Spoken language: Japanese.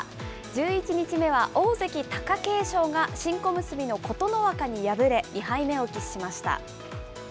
１１日目は大関・貴景勝が新小結の琴ノ若に敗れ、２敗目を喫しました。